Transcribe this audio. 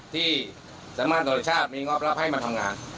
ที่สำหรับเกาหลักชาติมีงบรับให้มาทำงาน